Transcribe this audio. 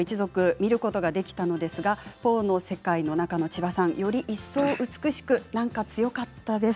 見ることができたのですが「ポーの一族」の世界の中の千葉さんより一層、美しく強かったです。